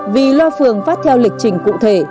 vì loa phường phát theo lịch trình